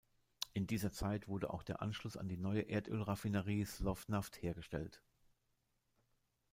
In dieser Zeit wurde auch der Anschluss an die neue Erdölraffinerie Slovnaft hergestellt.